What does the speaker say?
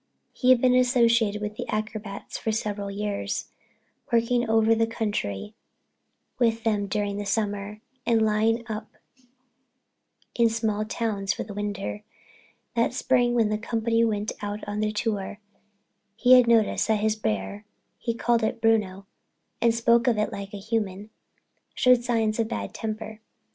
He had been associated with the acrobats for several years, working over the country with them during the summer and lying up in small towns for the winter. That spring, when the company went out on their tour, he had noticed that his bear (he called it Bruno and spoke of it like a human) showed signs of bad temper.